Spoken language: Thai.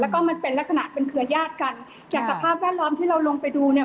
แล้วก็มันเป็นลักษณะเป็นเครือญาติกันอย่างสภาพแวดล้อมที่เราลงไปดูเนี่ย